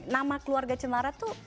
nama keluarga cemara tuh